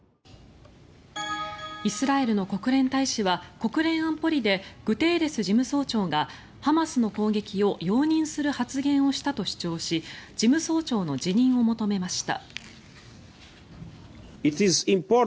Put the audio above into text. イスラエルの国連大使は国連安保理でグテーレス事務総長がハマスの攻撃を容認する発言をしたと主張し事務総長の辞任を求めました。